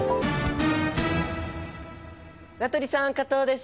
名取さん加藤です。